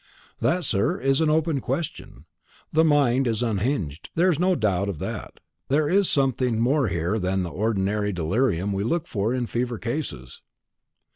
"That, sir, is an open question. The mind is unhinged; there is no doubt of that. There is something more here than the ordinary delirium we look for in fever cases."